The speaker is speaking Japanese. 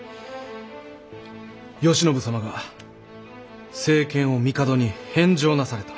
慶喜様が政権を帝に返上なされた。